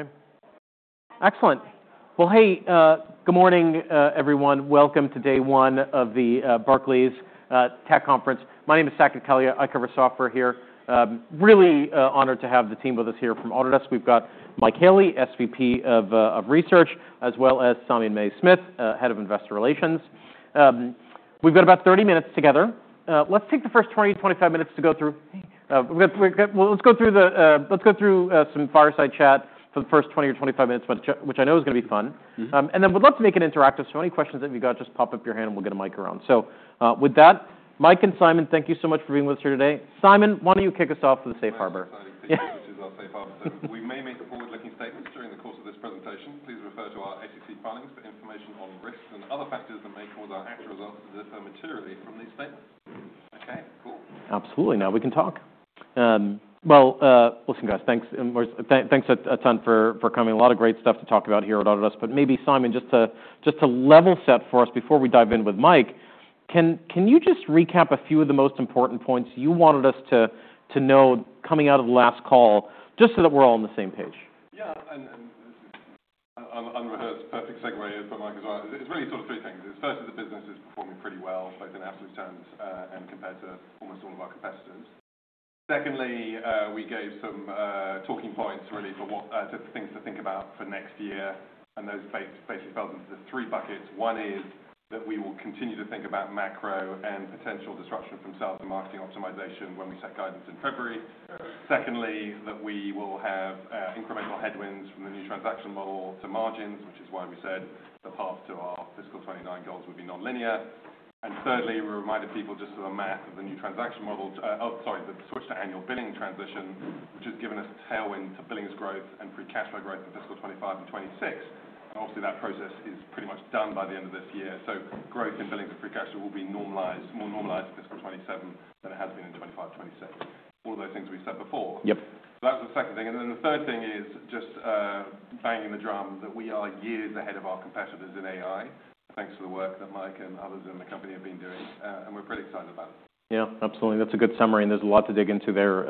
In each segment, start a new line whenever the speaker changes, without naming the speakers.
Okay.
Excellent. Well, hey, good morning, everyone. Welcome to day one of the Barclays Tech Conference. My name is Saket Kalia. I cover software here. Really honored to have the team with us here from Autodesk. We've got Mike Haley, SVP of Research, as well as Simon Mays-Smith, Head of Investor Relations. We've got about 30 minutes together. Let's take the first 20-25 minutes to go through some fireside chat for the first 20 or 25 minutes, which I know is gonna be fun.
Mm-hmm.
And then we'd love to make it interactive. So any questions that you've got, just pop up your hand and we'll get a mic around. So, with that, Mike and Simon, thank you so much for being with us here today. Simon, why don't you kick us off with a Safe Harbor?
Yeah.
Yeah.
Yeah.
This is our Safe Harbor, so we may make forward-looking statements during the course of this presentation. Please refer to our SEC filings for information on risks and other factors that may cause our actual results to differ materially from these statements. Okay. Cool.
Absolutely. Now we can talk. Well, listen, guys, thanks or thanks a ton for coming. A lot of great stuff to talk about here at Autodesk. But maybe Simon, just to level set for us before we dive in with Mike, can you just recap a few of the most important points you wanted us to know coming out of the last call, just so that we're all on the same page?
Yeah. And this is an unrehearsed perfect segue for Mike as well. It's really sort of three things. It's first, the business is performing pretty well, both in absolute terms and compared to almost all of our competitors. Secondly, we gave some talking points really for what things to think about for next year. And those basically fell into the three buckets. One is that we will continue to think about macro and potential disruption from sales and marketing optimization when we set guidance in February. Secondly, that we will have incremental headwinds from the New Transaction Model to margins, which is why we said the path to our fiscal 2029 goals would be non-linear. And thirdly, we reminded people just of the math of the new transaction model, oh, sorry, the switch to annual billing transition, which has given us tailwind to billings growth and free cash flow growth in fiscal 2025 and 2026. And obviously, that process is pretty much done by the end of this year. So growth in billings and free cash flow will be normalized, more normalized in fiscal 2027 than it has been in 2025, 2026. All of those things we said before.
Yep.
So that was the second thing. And then the third thing is just banging the drum that we are years ahead of our competitors in AI, thanks to the work that Mike and others in the company have been doing. And we're pretty excited about it.
Yeah. Absolutely. That's a good summary and there's a lot to dig into there,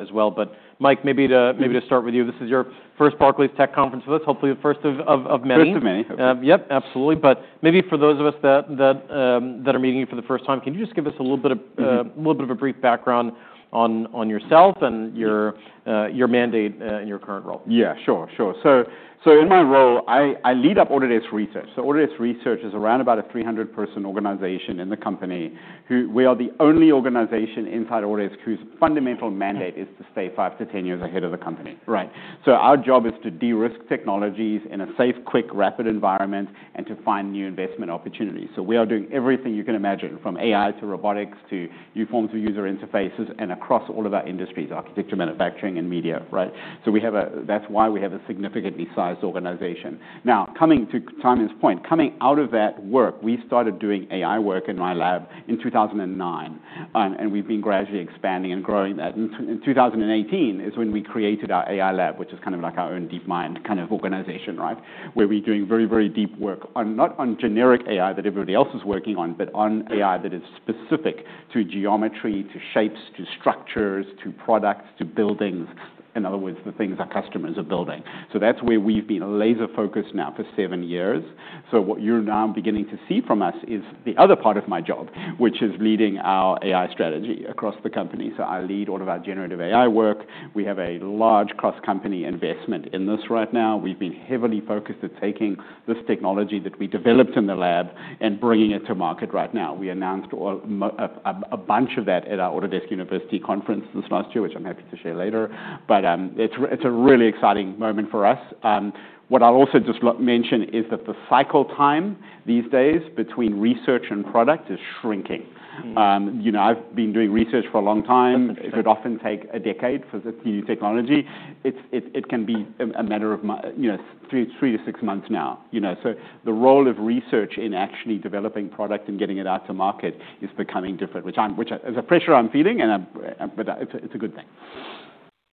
as well, but Mike, maybe to.
Yeah.
Maybe to start with you, this is your first Barclays Tech Conference with us, hopefully the first of many.
First of many, hopefully.
Yep. Absolutely, but maybe for those of us that are meeting you for the first time, can you just give us a little bit of a brief background on yourself and your mandate in your current role?
Yeah. Sure. So in my role, I lead up Autodesk Research. So Autodesk Research is around about a 300-person organization in the company who we are the only organization inside Autodesk whose fundamental mandate is to stay 5 to 10 years ahead of the company.
Right.
So our job is to de-risk technologies in a safe, quick, rapid environment and to find new investment opportunities. So we are doing everything you can imagine, from AI to robotics to new forms of user interfaces and across all of our industries, architecture, manufacturing, and media, right? That's why we have a significantly sized organization. Now, coming to Simon's point, coming out of that work, we started doing AI work in my lab in 2009 and we've been gradually expanding and growing that. In 2018 is when we created our AI lab, which is kind of like our own DeepMind kind of organization, right, where we're doing very, very deep work on not on generic AI that everybody else is working on, but on AI that is specific to geometry, to shapes, to structures, to products, to buildings, in other words, the things our customers are building. So that's where we've been laser-focused now for seven years. So what you're now beginning to see from us is the other part of my job, which is leading our AI strategy across the company. So I lead all of our generative AI work. We have a large cross-company investment in this right now. We've been heavily focused at taking this technology that we developed in the lab and bringing it to market right now. We announced a bunch of that at our Autodesk University conference this last year, which I'm happy to share later. But it's a really exciting moment for us. What I'll also just mention is that the cycle time these days between research and product is shrinking. You know, I've been doing research for a long time.
Definitely.
It would often take a decade for the new technology. It can be a matter of, you know, three to six months now, you know? So the role of research in actually developing product and getting it out to market is becoming different, which is a pressure I'm feeling, but it's a good thing.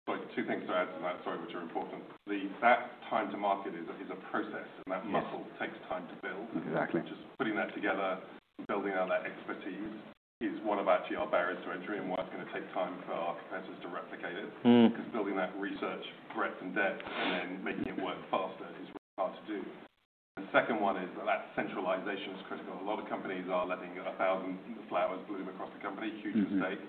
So two things to add to that, sorry, which are important. The fact that time to market is a process, and that muscle takes time to build.
Exactly.
And just putting that together, building out that expertise is one of actually our barriers to entry and why it's gonna take time for our competitors to replicate it. 'Cause building that research breadth and depth and then making it work faster is really hard to do. The second one is that centralization is critical. A lot of companies are letting a thousand flowers bloom across the company, huge mistake.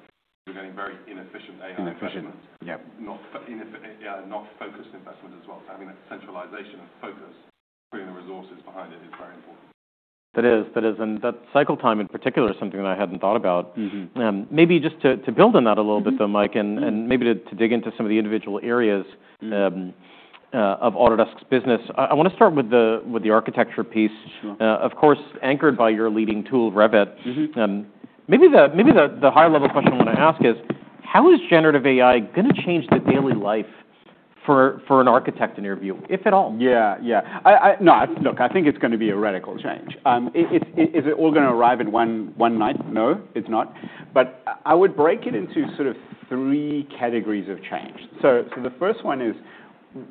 We're getting very inefficient AI investments.
Inefficient. Yep.
Not inefficient, yeah, not focused investment as well, so having that centralization and focus, putting the resources behind it is very important.
That is. And that cycle time in particular is something that I hadn't thought about.
Mm-hmm.
Maybe just to build on that a little bit though, Mike, and maybe to dig into some of the individual areas of Autodesk's business. I wanna start with the architecture piece.
Sure.
of course, anchored by your leading tool, Revit.
Mm-hmm.
Maybe the higher-level question I wanna ask is, how is generative AI gonna change the daily life for an architect in your view, if at all?
Yeah. Yeah. I know. Look, I think it's gonna be a radical change. Is it all gonna arrive in one night? No, it's not. But I would break it into sort of three categories of change. So the first one is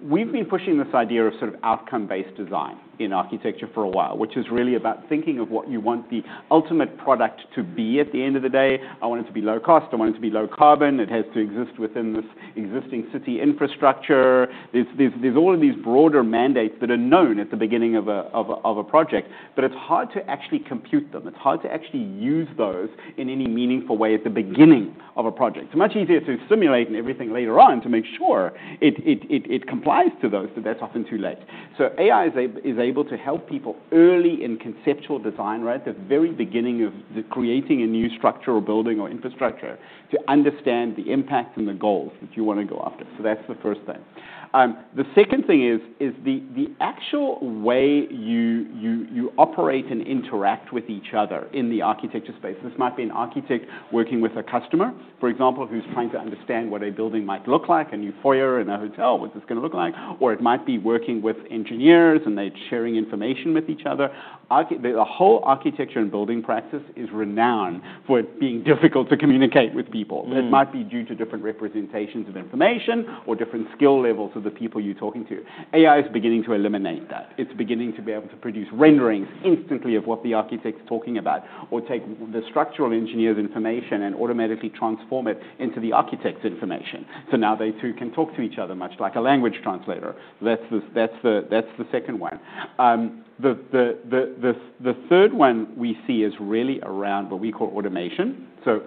we've been pushing this idea of sort of outcome-based design in architecture for a while, which is really about thinking of what you want the ultimate product to be at the end of the day. I want it to be low cost. I want it to be low carbon. It has to exist within this existing city infrastructure. There's all of these broader mandates that are known at the beginning of a project, but it's hard to actually compute them. It's hard to actually use those in any meaningful way at the beginning of a project. It's much easier to simulate and everything later on to make sure it complies to those, but that's often too late. So AI is able to help people early in conceptual design, right, the very beginning of the creating a new structure or building or infrastructure to understand the impact and the goals that you wanna go after. So that's the first thing. The second thing is the actual way you operate and interact with each other in the architecture space. This might be an architect working with a customer, for example, who's trying to understand what a building might look like, a new foyer in a hotel, what's this gonna look like? Or it might be working with engineers, and they're sharing information with each other. Archi, the whole architecture and building practice is renowned for it being difficult to communicate with people.
Mm-hmm.
It might be due to different representations of information or different skill levels of the people you're talking to. AI is beginning to eliminate that. It's beginning to be able to produce renderings instantly of what the architect's talking about or take the structural engineer's information and automatically transform it into the architect's information. So now they too can talk to each other much like a language translator. That's the second one. The third one we see is really around what we call automation. So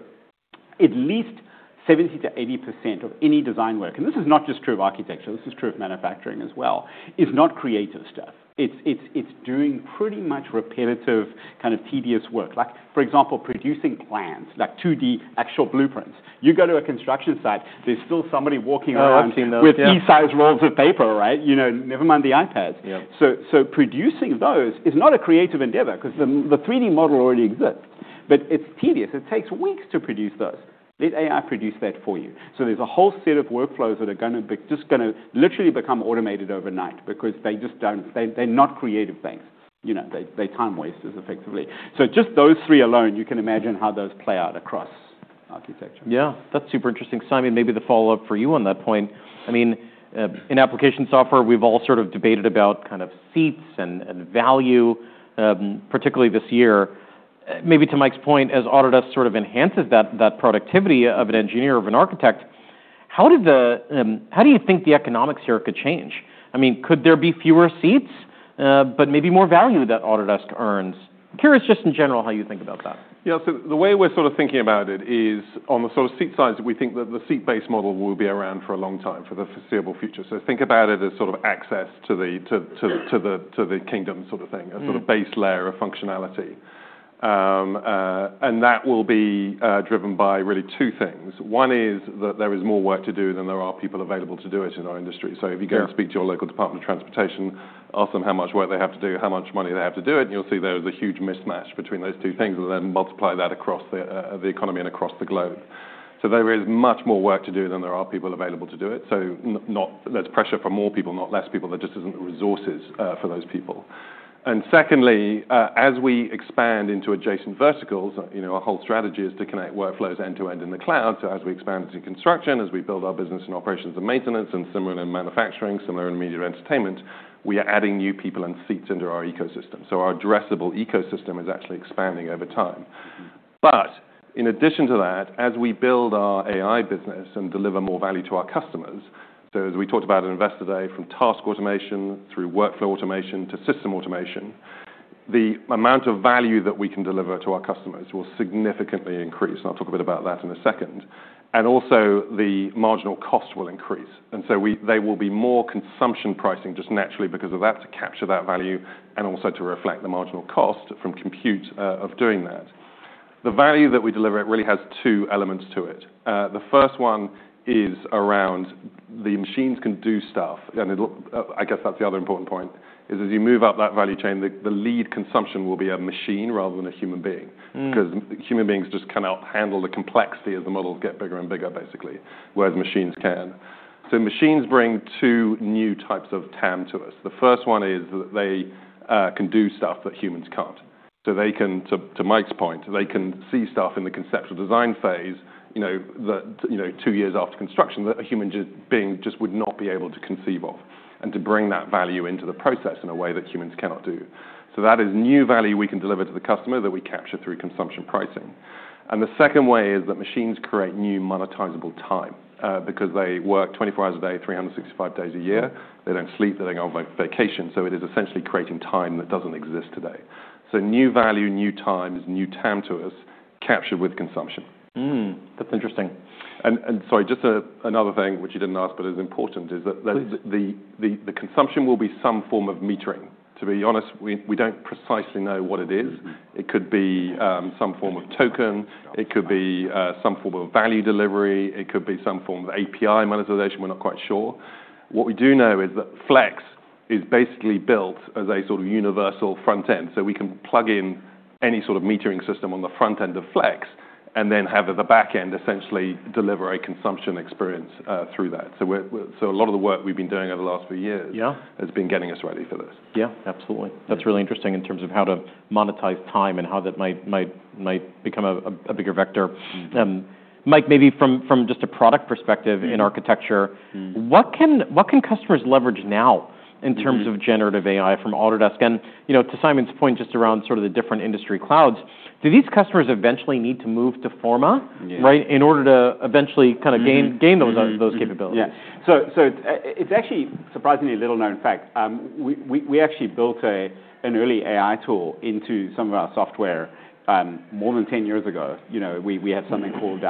at least 70%-80% of any design work, and this is not just true of architecture, this is true of manufacturing as well, is not creative stuff. It's doing pretty much repetitive kind of tedious work. Like, for example, producing plans, like 2D actual blueprints. You go to a construction site, there's still somebody walking around.
Oh, I've seen those too.
With E-size rolls of paper, right? You know, never mind the iPads.
Yeah.
So producing those is not a creative endeavor 'cause the 3D model already exists, but it's tedious. It takes weeks to produce those. Let AI produce that for you. So there's a whole set of workflows that are gonna literally become automated overnight because they're not creative things. You know, they're time wasters effectively. So just those three alone, you can imagine how those play out across architecture.
Yeah. That's super interesting. Simon, maybe the follow-up for you on that point. I mean, in application software, we've all sort of debated about kind of seats and, and value, particularly this year. Maybe to Mike's point, as Autodesk sort of enhances that, that productivity of an engineer or of an architect, how did the, how do you think the economics here could change? I mean, could there be fewer seats, but maybe more value that Autodesk earns? I'm curious just in general how you think about that.
Yeah. So the way we're sort of thinking about it is on the sort of seat side, we think that the seat-based model will be around for a long time for the foreseeable future. So think about it as sort of access to the.
Yeah.
To the kingdom sort of thing, a sort of base layer of functionality and that will be driven by really two things. One is that there is more work to do than there are people available to do it in our industry, so if you go.
Yeah.
And speak to your local department of transportation, ask them how much work they have to do, how much money they have to do it, and you'll see there is a huge mismatch between those two things. And then multiply that across the economy and across the globe. So there is much more work to do than there are people available to do it. So not there's pressure for more people, not less people. There just isn't the resources for those people. And secondly, as we expand into adjacent verticals, you know, our whole strategy is to connect workflows end to end in the cloud. So as we expand into construction, as we build our business in operations and maintenance and similar in manufacturing, similar in media and entertainment, we are adding new people and seats into our ecosystem. So our addressable ecosystem is actually expanding over time. But in addition to that, as we build our AI business and deliver more value to our customers, so as we talked about at Investor Day, from task automation through workflow automation to system automation, the amount of value that we can deliver to our customers will significantly increase. And I'll talk a bit about that in a second. And also, the marginal cost will increase. And so we, they will be more consumption pricing just naturally because of that to capture that value and also to reflect the marginal cost from compute, of doing that. The value that we deliver, it really has two elements to it. The first one is around the machines can do stuff. And it'll, I guess that's the other important point is as you move up that value chain, the lead consumption will be a machine rather than a human being. ’Cause human beings just cannot handle the complexity as the models get bigger and bigger, basically, whereas machines can. So machines bring two new types of TAM to us. The first one is that they can do stuff that humans can't. So they can, to Mike's point, they can see stuff in the conceptual design phase, you know, that, you know, two years after construction that a human just being would not be able to conceive of and to bring that value into the process in a way that humans cannot do. So that is new value we can deliver to the customer that we capture through consumption pricing. And the second way is that machines create new monetizable time, because they work 24 hours a day, 365 days a year. They don't sleep. They don't go on vacation. So it is essentially creating time that doesn't exist today. So new value, new times, new TAM to us captured with consumption.
That's interesting.
Sorry, just another thing, which you didn't ask but is important, is that there's.
Please.
The consumption will be some form of metering. To be honest, we don't precisely know what it is.
Mm-hmm.
It could be some form of token.
Got it.
It could be some form of value delivery. It could be some form of API monetization. We're not quite sure. What we do know is that Flex is basically built as a sort of universal front end. So we can plug in any sort of metering system on the front end of Flex and then have the back end essentially deliver a consumption experience through that. So we're so a lot of the work we've been doing over the last few years.
Yeah.
Has been getting us ready for this.
Yeah. Absolutely. That's really interesting in terms of how to monetize time and how that might become a bigger vector.
Mm-hmm.
Mike, maybe from just a product perspective.
Yeah.
In architecture.
Mm-hmm.
What can customers leverage now in terms of generative AI from Autodesk? And, you know, to Simon's point, just around sort of the different industry clouds, do these customers eventually need to move to Forma?
Yeah.
Right, in order to eventually kinda gain.
Yeah.
Gain those capabilities?
Yeah, so it's actually surprisingly little-known fact. We actually built an early AI tool into some of our software more than 10 years ago. You know, we have something called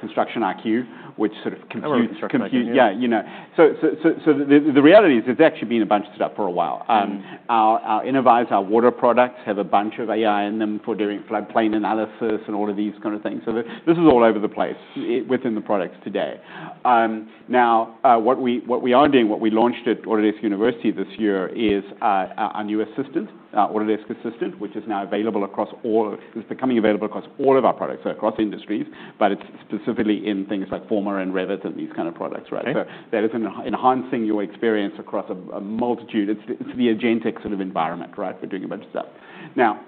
Construction IQ, which sort of computes.
Oh, Construction IQ.
Compute, yeah. You know, so the reality is it's actually been a bunch of stuff for a while.
Mm-hmm.
Our Innovyze, our water products have a bunch of AI in them for doing floodplain analysis and all of these kind of things, so this is all over the place in the products today. Now, what we are doing, what we launched at Autodesk University this year is our new assistant, Autodesk Assistant, which is now available across all, is becoming available across all of our products, so across industries, but it's specifically in things like Forma and Revit and these kind of products, right?
Okay.
So that is enhancing your experience across a multitude. It's the agentic sort of environment, right, for doing a bunch of stuff. Now,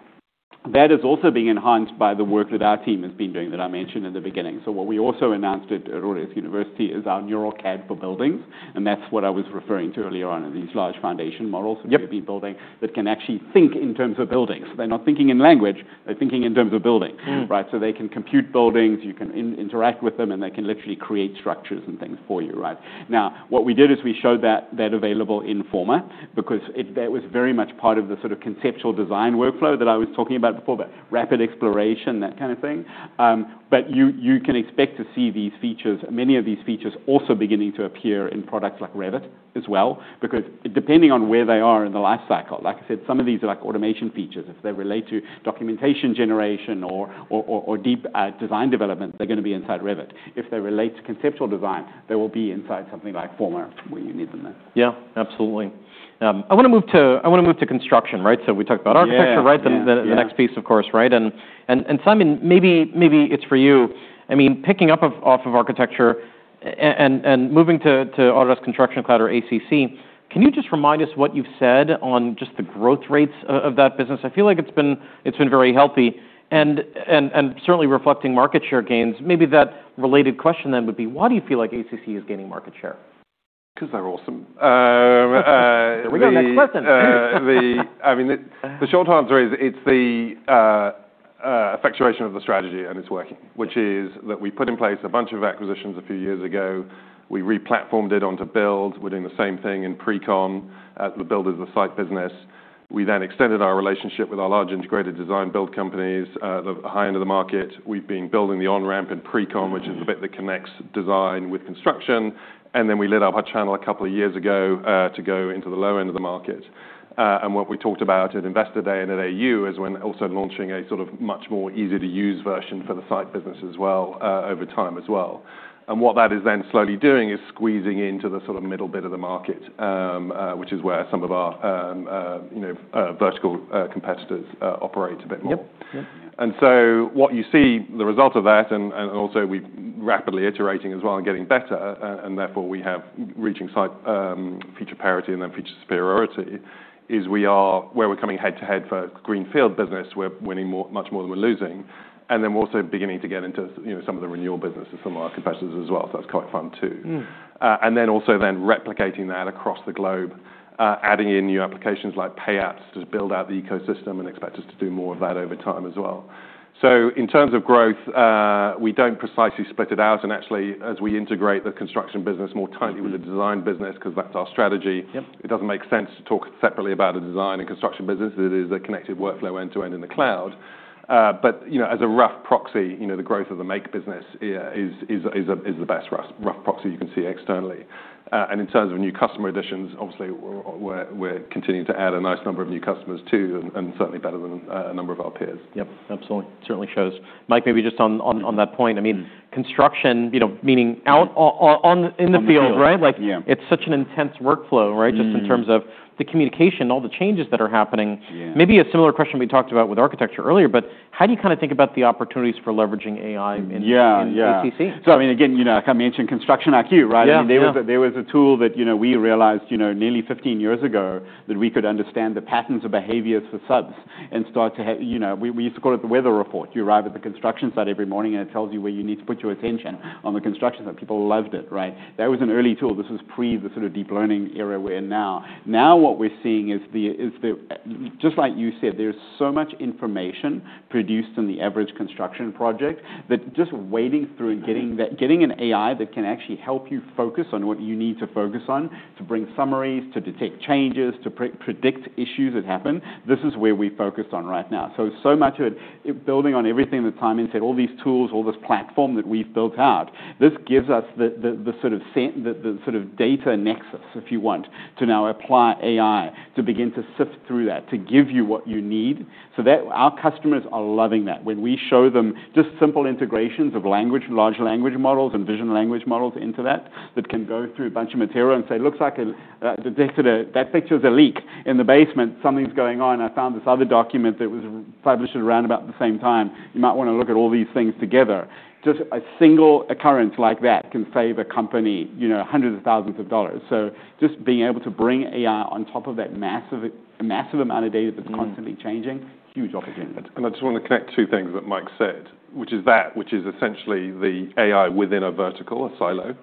that is also being enhanced by the work that our team has been doing that I mentioned in the beginning. So what we also announced at Autodesk University is our Neural CAD for buildings. And that's what I was referring to earlier on in these large foundation models that you've been building.
Yep.
That can actually think in terms of buildings. They're not thinking in language. They're thinking in terms of buildings. Right? So they can compute buildings. You can interact with them, and they can literally create structures and things for you, right? Now, what we did is we showed that available in Forma because that was very much part of the sort of conceptual design workflow that I was talking about before, the rapid exploration, that kind of thing. But you can expect to see these features, many of these features also beginning to appear in products like Revit as well because depending on where they are in the lifecycle, like I said, some of these are like automation features. If they relate to documentation generation or deep design development, they're gonna be inside Revit. If they relate to conceptual design, they will be inside something like Forma where you need them then.
Yeah. Absolutely. I wanna move to construction, right, so we talked about architecture, right?
Yeah.
The next piece, of course, right? And Simon, maybe it's for you. I mean, picking up off of architecture and moving to Autodesk Construction Cloud or ACC, can you just remind us what you've said on just the growth rates of that business? I feel like it's been very healthy and certainly reflecting market share gains. Maybe that related question then would be, why do you feel like ACC is gaining market share?
'Cause they're awesome.
There we go. Next question.
I mean, the short answer is it's the effectuation of the strategy and it's working, which is that we put in place a bunch of acquisitions a few years ago. We re-platformed it onto Build. We're doing the same thing in pre-con. The Build is the site business. We then extended our relationship with our large integrated design build companies, the high end of the market. We've been building the on-ramp in pre-con.
Mm-hmm.
Which is the bit that connects design with construction. And then we lit up our channel a couple of years ago, to go into the low end of the market. And what we talked about at Investor Day and at AU is we're also launching a sort of much more easy-to-use version for the site business as well, over time as well. And what that is then slowly doing is squeezing into the sort of middle bit of the market, which is where some of our, you know, vertical competitors operate a bit more.
Yep. Yep.
And so what you see, the result of that, and also we've rapidly iterating as well and getting better, and therefore we have reaching site, feature parity and then feature superiority. We are where we're coming head to head for a greenfield business. We're winning much more than we're losing. And then we're also beginning to get into, you know, some of the renewal businesses, some of our competitors as well. So that's quite fun too, and then also replicating that across the globe, adding in new applications like pay apps to build out the ecosystem and expect us to do more of that over time as well. So in terms of growth, we don't precisely split it out, and actually, as we integrate the construction business more tightly with the design business 'cause that's our strategy.
Yep.
It doesn't make sense to talk separately about a design and construction business. It is a connected workflow end to end in the cloud. But, you know, as a rough proxy, you know, the growth of the make business is the best rough proxy you can see externally. And in terms of new customer additions, obviously we're continuing to add a nice number of new customers too and certainly better than a number of our peers.
Yep. Absolutely. Certainly shows. Mike, maybe just on that point. I mean, construction, you know, meaning out on in the field, right?
Yeah.
Like, it's such an intense workflow, right?
Yeah.
Just in terms of the communication, all the changes that are happening.
Yeah.
Maybe a similar question we talked about with architecture earlier, but how do you kinda think about the opportunities for leveraging AI in ACC?
Yeah. Yeah. So, I mean, again, you know, like I mentioned Construction IQ, right?
Yeah.
I mean, there was a tool that, you know, we realized, you know, nearly 15 years ago that we could understand the patterns of behaviors for subs and start to, you know, we used to call it the weather report. You arrive at the construction site every morning, and it tells you where you need to put your attention on the construction site. People loved it, right? That was an early tool. This was pre the sort of deep learning era we're in now. Now what we're seeing is, just like you said, there's so much information produced in the average construction project that just wading through and getting an AI that can actually help you focus on what you need to focus on to bring summaries, to detect changes, to predict issues that happen, this is where we focused on right now, so much of it building on everything that Simon said, all these tools, all this platform that we've built out, this gives us the sort of data nexus, if you want, to now apply AI to begin to sift through that, to give you what you need, so that our customers are loving that. When we show them just simple integrations of language, large language models and vision language models into that that can go through a bunch of material and say, "Looks like a detected a, that picture's a leak in the basement. Something's going on. I found this other document that was published at around about the same time. You might wanna look at all these things together." Just a single occurrence like that can save a company, you know, hundreds of thousands of dollars. So just being able to bring AI on top of that massive, massive amount of data that's constantly changing.
Huge opportunity, and I just wanna connect two things that Mike said, which is that, essentially the AI within a vertical, a silo,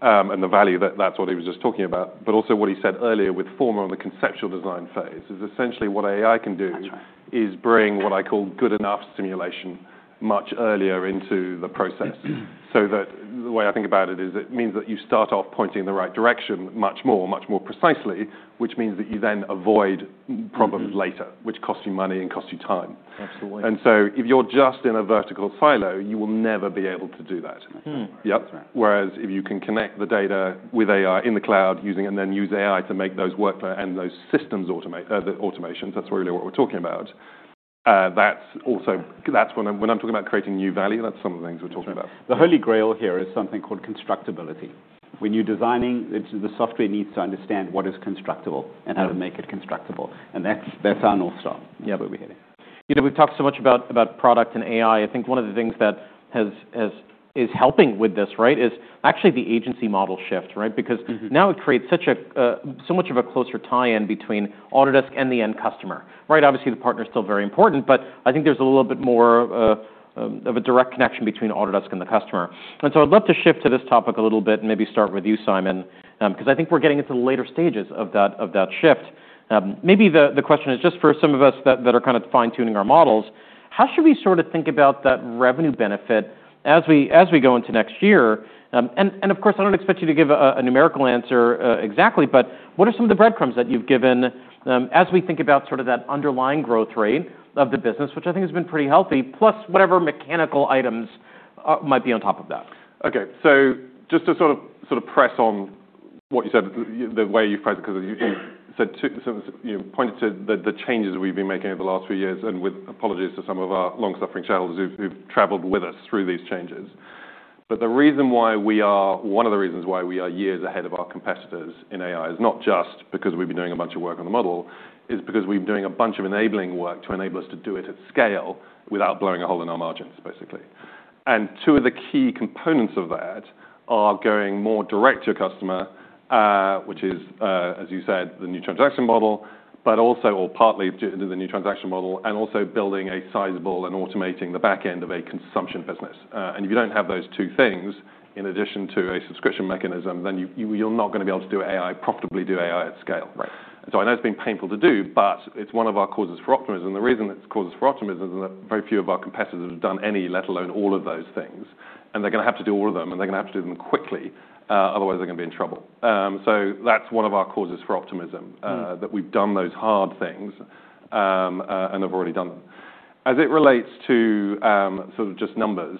and the value that that's what he was just talking about. But also what he said earlier with Forma on the conceptual design phase is essentially what AI can do.
Gotcha.
is bringing what I call good enough simulation much earlier into the process.
Mm-hmm.
So that the way I think about it is it means that you start off pointing in the right direction much more, much more precisely, which means that you then avoid problems later, which costs you money and costs you time.
Absolutely.
And so if you're just in a vertical silo, you will never be able to do that.
Mm-hmm.
Yep.
That's right.
Whereas if you can connect the data with AI in the cloud using and then use AI to make those workflow and those systems automate, the automations, that's really what we're talking about. That's also, that's when I'm talking about creating new value, that's some of the things we're talking about.
The holy grail here is something called constructibility. When you're designing, it's the software needs to understand what is constructible and how to make it constructible, and that's, that's our North Star.
Yep.
That's what we're heading. You know, we've talked so much about product and AI. I think one of the things that has is helping with this, right, is actually the agentic model shift, right? Because.
Mm-hmm.
Now it creates such a so much of a closer tie-in between Autodesk and the end customer, right? Obviously, the partner's still very important, but I think there's a little bit more of a direct connection between Autodesk and the customer, and so I'd love to shift to this topic a little bit and maybe start with you, Simon, 'cause I think we're getting into the later stages of that shift. Maybe the question is just for some of us that are kinda fine-tuning our models, how should we sorta think about that revenue benefit as we go into next year? Of course, I don't expect you to give a numerical answer exactly, but what are some of the breadcrumbs that you've given, as we think about sorta that underlying growth rate of the business, which I think has been pretty healthy, plus whatever mechanical items might be on top of that?
Okay, so just to sorta press on what you said, the way you phrased it, 'cause you said too, so it was, you know, pointed to the changes we've been making over the last few years, and with apologies to some of our long-suffering channels who've traveled with us through these changes, but the reason why we are, one of the reasons why we are years ahead of our competitors in AI is not just because we've been doing a bunch of work on the model, it's because we've been doing a bunch of enabling work to enable us to do it at scale without blowing a hole in our margins, basically. Two of the key components of that are going more direct to your customer, which is, as you said, the New Transaction Model, but also, or partly to the New Transaction Model and also building a sizable and automating the back end of a consumption business. If you don't have those two things in addition to a subscription mechanism, then you're not gonna be able to profitably do AI at scale.
Right.
And so I know it's been painful to do, but it's one of our causes for optimism. The reason it's causes for optimism is that very few of our competitors have done any, let alone all of those things. And they're gonna have to do all of them, and they're gonna have to do them quickly. Otherwise they're gonna be in trouble. So that's one of our causes for optimism.
Mm-hmm.
That we've done those hard things, and they've already done them. As it relates to, sort of just numbers,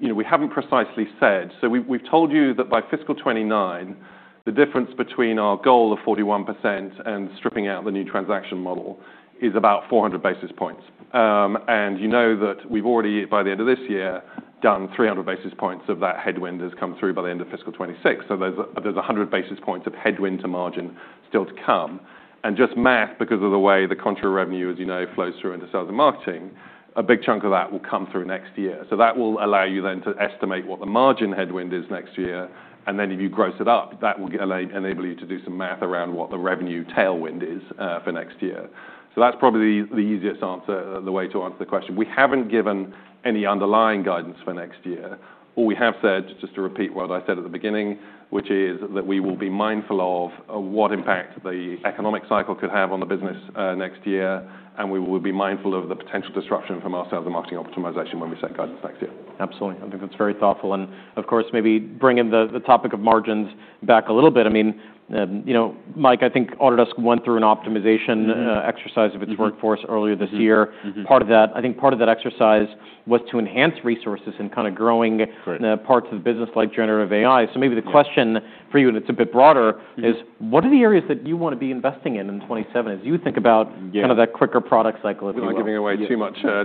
you know, we haven't precisely said, so we've told you that by fiscal 2029, the difference between our goal of 41% and stripping out the new transaction model is about 400 basis points, and you know that we've already, by the end of this year, done 300 basis points of that headwind has come through by the end of fiscal 2026. So there's 100 basis points of headwind to margin still to come. And just math, because of the way the contra revenue, as you know, flows through into sales and marketing, a big chunk of that will come through next year. So that will allow you then to estimate what the margin headwind is next year. And then if you gross it up, that will allow, enable you to do some math around what the revenue tailwind is, for next year. So that's probably the easiest answer, the way to answer the question. We haven't given any underlying guidance for next year. All we have said, just to repeat what I said at the beginning, which is that we will be mindful of what impact the economic cycle could have on the business, next year. And we will be mindful of the potential disruption from our sales and marketing optimization when we set guidance next year.
Absolutely. I think that's very thoughtful, and of course, maybe bringing the topic of margins back a little bit. I mean, you know, Mike, I think Autodesk went through an optimization exercise of its workforce earlier this year.
Mm-hmm.
Part of that, I think part of that exercise was to enhance resources and kinda growing.
Correct.
parts of the business like generative AI, so maybe the question for you, and it's a bit broader.
Mm-hmm.
What are the areas that you wanna be investing in 2027 as you think about?
Yeah.
Kind of that quicker product cycle if you will.
We're not giving away too much.
Yeah.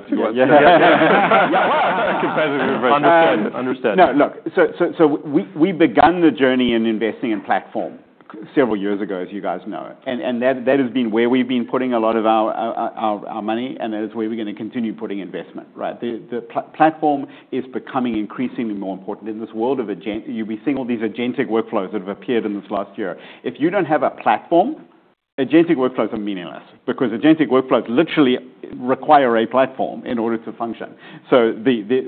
Competitive investment.
Understood. Understood.
Now, look, we began the journey in investing in platform several years ago, as you guys know. That has been where we've been putting a lot of our money, and that is where we're gonna continue putting investment, right? The platform is becoming increasingly more important in this world of agent. You'll be seeing all these agentic workflows that have appeared in this last year. If you don't have a platform, agentic workflows are meaningless because agentic workflows literally require a platform in order to function, so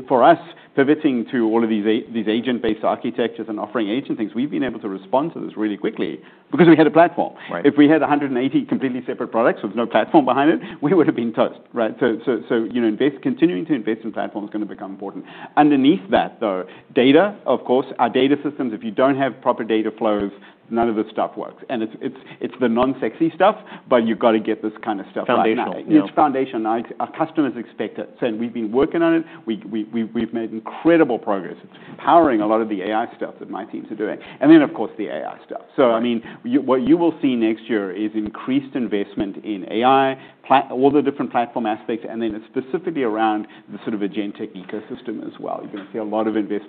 for us, pivoting to all of these agent-based architectures and offering agent things, we've been able to respond to this really quickly because we had a platform.
Right.
If we had 180 completely separate products with no platform behind it, we would've been toast, right? You know, continuing to invest in platform is gonna become important. Underneath that, though, data, of course, our data systems, if you don't have proper data flows, none of this stuff works, and it's the non-sexy stuff, but you've gotta get this kind of stuff out now.
Foundational.
It's foundational. Our customers expect it. So we've been working on it. We've made incredible progress. It's empowering a lot of the AI stuff that my teams are doing. And then, of course, the AI stuff. So, I mean, what you will see next year is increased investment in AI, all the different platform aspects, and then it's specifically around the sort of agentic ecosystem as well. You're gonna see a lot of investment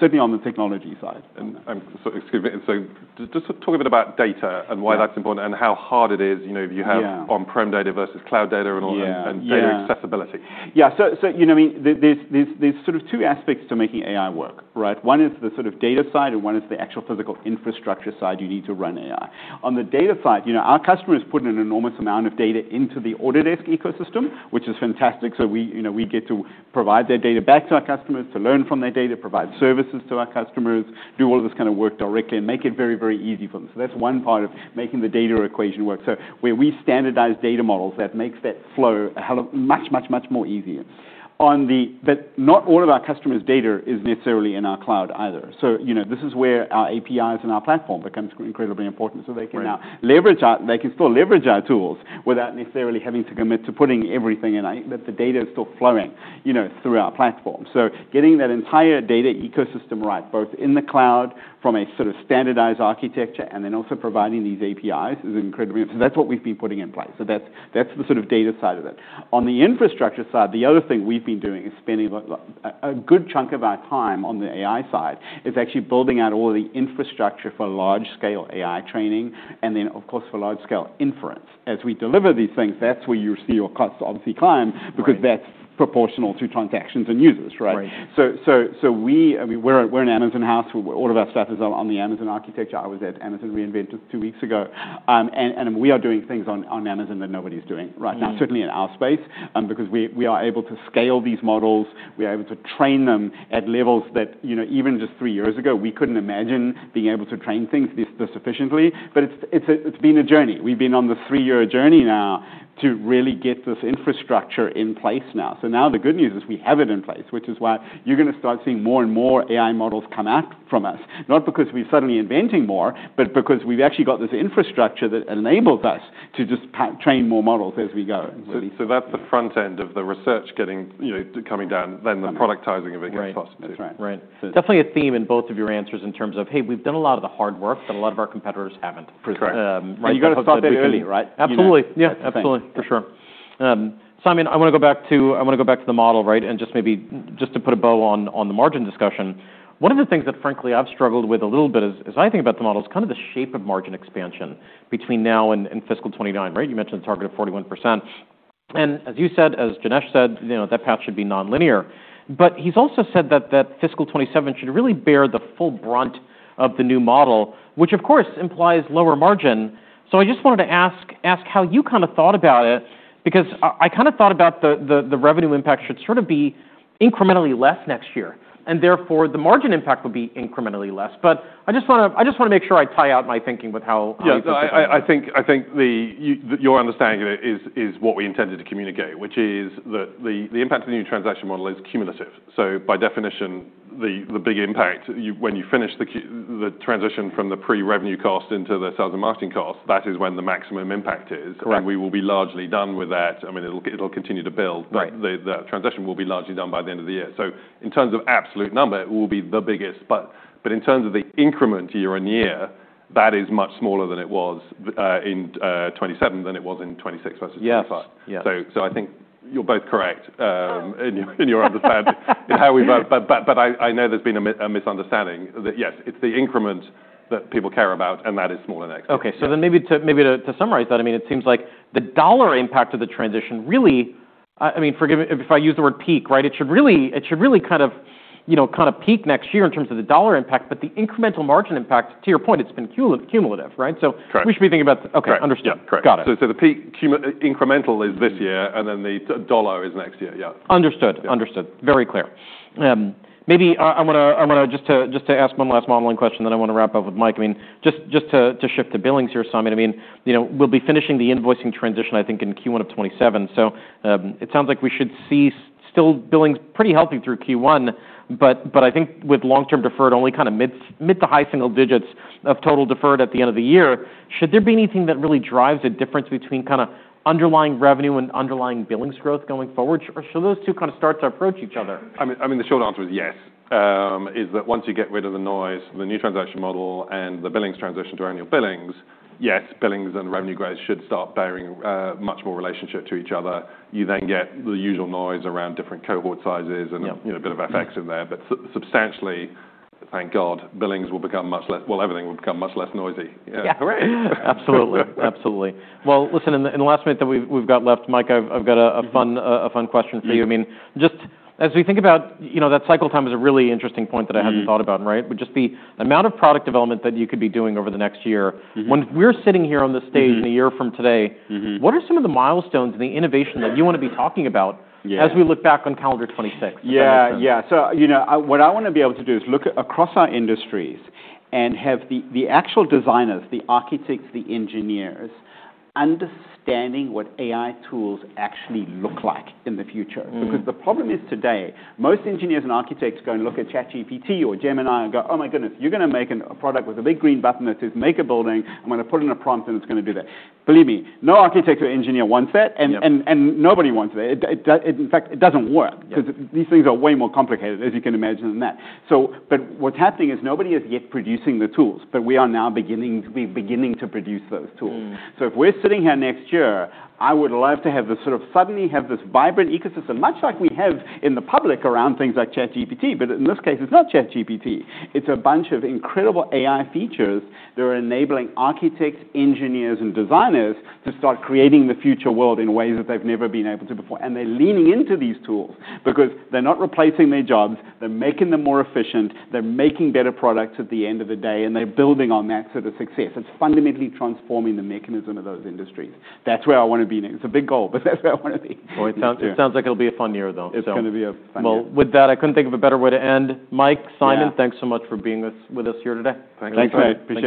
certainly on the technology side. And.
I'm so, excuse me, so just to talk a bit about data and why that's important and how hard it is, you know, if you have.
Yeah.
On-prem data versus cloud data and all that.
Yeah.
Data accessibility.
Yeah. So, you know, I mean, there's sort of two aspects to making AI work, right? One is the sort of data side, and one is the actual physical infrastructure side you need to run AI. On the data side, you know, our customer has put an enormous amount of data into the Autodesk ecosystem, which is fantastic. So we, you know, we get to provide their data back to our customers to learn from their data, provide services to our customers, do all of this kind of work directly and make it very, very easy for them. So that's one part of making the data equation work. So where we standardize data models, that makes that flow a hell of much more easier. That not all of our customers' data is necessarily in our cloud either. So, you know, this is where our APIs and our platform becomes incredibly important so they can now leverage our, they can still leverage our tools without necessarily having to commit to putting everything in, that the data is still flowing, you know, through our platform. So getting that entire data ecosystem right, both in the cloud from a sort of standardized architecture and then also providing these APIs is incredibly important. So that's what we've been putting in place. So that's the sort of data side of it. On the infrastructure side, the other thing we've been doing is spending a good chunk of our time on the AI side is actually building out all of the infrastructure for large-scale AI training and then, of course, for large-scale inference. As we deliver these things, that's where you see your costs obviously climb because that's proportional to transactions and users, right?
Right.
I mean, we're an Amazon house. All of our stuff is on the Amazon architecture. I was at Amazon re:Invent two weeks ago. We are doing things on Amazon that nobody's doing right now, certainly in our space, because we are able to scale these models. We are able to train them at levels that you know, even just three years ago, we couldn't imagine being able to train things this sufficiently. But it's been a journey. We've been on the three-year journey now to really get this infrastructure in place now. So now the good news is we have it in place, which is why you're gonna start seeing more and more AI models come out from us, not because we're suddenly inventing more, but because we've actually got this infrastructure that enables us to just pre-train more models as we go.
So that's the front end of the research getting, you know, coming down, then the productizing of it gets possible.
Right. That's right.
Right. Definitely a theme in both of your answers in terms of, "Hey, we've done a lot of the hard work that a lot of our competitors haven't.
That's correct.
right?
You gotta start that early, right?
Absolutely. Yeah. Absolutely. For sure. Simon, I wanna go back to the model, right, and just maybe to put a bow on the margin discussion. One of the things that frankly I've struggled with a little bit is, as I think about the model, is kind of the shape of margin expansion between now and fiscal 2029, right? You mentioned the target of 41%. And as you said, as Janesh said, you know, that path should be non-linear. But he's also said that fiscal 2027 should really bear the full brunt of the new model, which of course implies lower margin. So I just wanted to ask how you kinda thought about it because I kinda thought about the revenue impact should sorta be incrementally less next year, and therefore the margin impact would be incrementally less. But I just wanna make sure I tie out my thinking with how.
Yeah. So I think your understanding of it is what we intended to communicate, which is that the impact of the new transaction model is cumulative. So by definition, the big impact, when you finish the transition from the pre-revenue cost into the sales and marketing cost, that is when the maximum impact is.
Correct.
We will be largely done with that. I mean, it'll continue to build.
Right.
But the transition will be largely done by the end of the year. So in terms of absolute number, it will be the biggest. But in terms of the increment year on year, that is much smaller than it was in 2027 than it was in 2026 versus 2025.
Yes. Yeah.
So, I think you're both correct in your understanding of how we've but I know there's been a misunderstanding that yes, it's the increment that people care about, and that is smaller next year.
Okay. So then maybe to summarize that, I mean, it seems like the dollar impact of the transition really. I mean, forgive me if I use the word peak, right? It should really kind of, you know, kinda peak next year in terms of the dollar impact, but the incremental margin impact, to your point, it's been cumulative, right? So.
Correct.
We should be thinking about.
Correct.
Okay. Understood.
Yeah.
Got it.
The peak cum incremental is this year, and then the dollar is next year. Yeah.
Understood. Understood. Very clear. Maybe I wanna just to ask one last modeling question then I wanna wrap up with Mike. I mean, just to shift to billings here, Simon. I mean, you know, we'll be finishing the invoicing transition, I think, in Q1 of 2027. So, it sounds like we should see still billings pretty healthy through Q1, but I think with long-term deferred only kinda mid- to high single digits of total deferred at the end of the year, should there be anything that really drives a difference between kinda underlying revenue and underlying billings growth going forward? Or should those two kinda start to approach each other?
I mean, the short answer is yes. That is, once you get rid of the noise, the New Transaction Model and the billings transition to annual billings, yes, billings and revenue growth should start bearing much more relationship to each other. You then get the usual noise around different cohort sizes and.
Yeah.
You know, a bit of FX in there, but substantially, thank God, billings will become much less, well, everything will become much less noisy.
Yeah.
Yeah.
Correct. Absolutely. Absolutely. Well, listen, in the last minute that we've got left, Mike, I've got a fun question for you.
Yeah.
I mean, just as we think about, you know, that cycle time is a really interesting point that I hadn't thought about, right? Would just be the amount of product development that you could be doing over the next year.
Mm-hmm.
When we're sitting here on this stage in a year from today.
Mm-hmm.
What are some of the milestones and the innovation that you wanna be talking about?
Yeah.
As we look back on calendar 2026?
Yeah. Yeah. So, you know, what I wanna be able to do is look across our industries and have the actual designers, the architects, the engineers understanding what AI tools actually look like in the future.
Mm-hmm.
Because the problem is today, most engineers and architects go and look at ChatGPT or Gemini and go, "Oh my goodness, you're gonna make a product with a big green button that says make a building. I'm gonna put in a prompt and it's gonna do that." Believe me, no architect or engineer wants that.
Yeah.
Nobody wants that. In fact, it doesn't work.
Yeah.
'Cause these things are way more complicated, as you can imagine, than that. So, but what's happening is nobody is yet producing the tools, but we are now beginning to produce those tools.
Mm-hmm.
So if we're sitting here next year, I would love to have this sort of suddenly have this vibrant ecosystem, much like we have in the public around things like ChatGPT, but in this case, it's not ChatGPT. It's a bunch of incredible AI features that are enabling architects, engineers, and designers to start creating the future world in ways that they've never been able to before, and they're leaning into these tools because they're not replacing their jobs, they're making them more efficient, they're making better products at the end of the day, and they're building on that sort of success. It's fundamentally transforming the mechanism of those industries. That's where I wanna be next. It's a big goal, but that's where I wanna be.
It sounds like it'll be a fun year though, so.
It's gonna be a fun year.
With that, I couldn't think of a better way to end. Mike, Simon.
Yeah.
Thanks so much for being with us here today.
Thanks.
Thanks, Mike. Appreciate it.
Appreciate it.